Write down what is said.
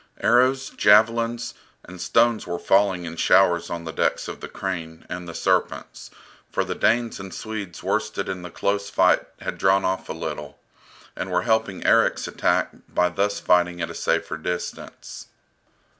Arrows, javelins, and stones were falling in showers on the decks of the "Crane" and the "Serpents," for the Danes and Swedes worsted in the close fight had drawn off a little, and were helping Erik's attack by thus fighting at a safer distance.